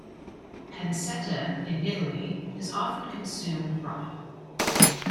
Pancetta in Italy is often consumed raw.